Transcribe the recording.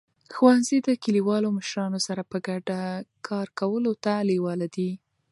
ښوونځي د کلیوالو مشرانو سره په ګډه کار کولو ته لیواله دي.